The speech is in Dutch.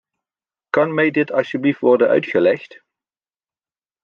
Kan mij dit alsjeblieft worden uitgelegd?